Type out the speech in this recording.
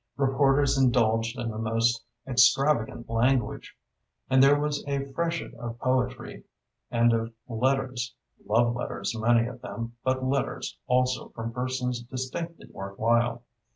Reporters indulged in the most extravagant language. And there was a freshet of poetry, and of letters—love letters, many of them, but letters, also, from persons distinctly worthwhile.